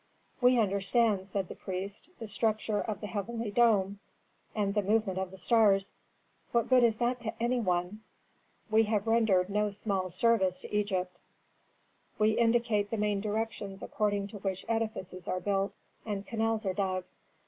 "We understand," said the priest, "the structure of the heavenly dome and the movement of the stars." "What good is that to any one?" "We have rendered no small service to Egypt. We indicate the main directions according to which edifices are built and canals are dug.